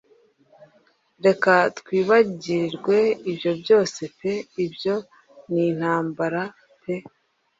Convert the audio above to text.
Reka twibagirwe ibyo byose pe ibyo n'intambara pe